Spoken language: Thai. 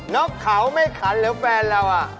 นอกเข่าไม่ขันถ้าว่าแฟนเราอ่ะ